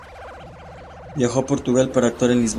Viajó a Portugal para actuar en Lisboa.